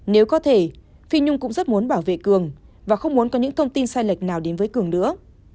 nếu có thể phi nhung cũng rất muốn bảo vệ cường và không muốn có những thông tin sai lệch nào đến với cường nữa